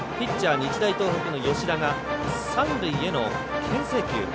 日大東北の吉田が三塁へのけん制球。